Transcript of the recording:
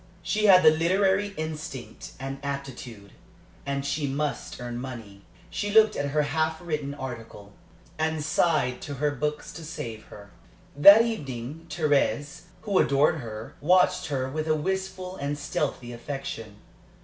She had the literary instinct and aptitude, and she must earn money. She looked at her half written article, and sighed to her books to save her. That evening Thérèse, who adored her, watched her with a wistful and stealthy affection.